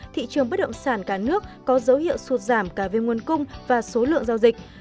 thị trường bất động sản cả nước có dấu hiệu sụt giảm cả về nguồn cung và số lượng giao dịch